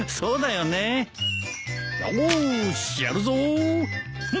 よーしやるぞ。